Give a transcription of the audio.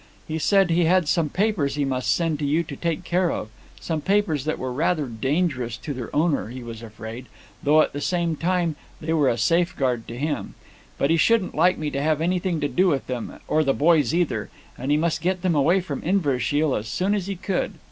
He said he had some papers he must send to you to take care of, some papers that were rather dangerous to their owner, he was afraid, though at the same time they were a safeguard to him. But he shouldn't like me to have anything to do with them, or the boys either, and he must get them away from Inverashiel as soon as he could.